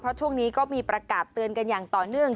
เพราะช่วงนี้ก็มีประกาศเตือนกันอย่างต่อเนื่อง